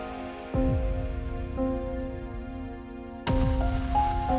bermakam kayak apa waktu itu saja